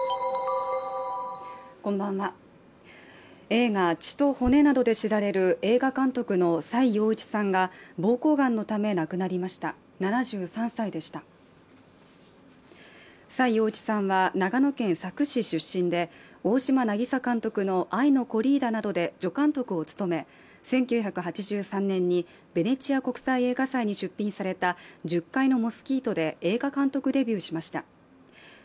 映画「血と骨」などで知られる映画監督の崔洋一さんがぼうこうがんのため亡くなりました７３歳でした崔洋一さんは長野県佐久市出身で大島渚監督の「愛のコリーダ」などで助監督を務め１９８３年にベネチア国際映画祭に出品された「十階のモスキート」で映画監督デビューしました